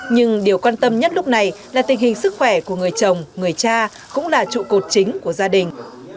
nhưng điều quan tâm nhất lúc này là tình hình sức khỏe của người chồng người cha cũng là trụ cột chính của gia đình